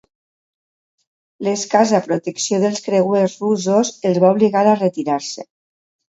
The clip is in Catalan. L'escassa protecció dels creuers russos els va obligar a retirar-se.